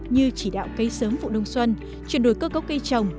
như chỉ đạo cây sớm vụ đông xuân chuyển đổi cơ cấu cây trồng